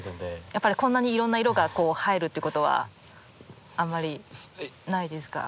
やっぱりこんなにいろんな色が入るっていうことはあんまりないですか？